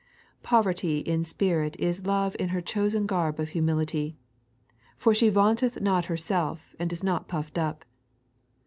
Poverty in spirit is Love in her chosen garb of humility, for she vannteth not herself, and is not puffed up.